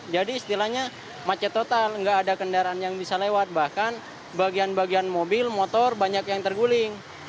jadi istilahnya macet total nggak ada kendaraan yang bisa lewat bahkan bagian bagian mobil motor banyak yang terguling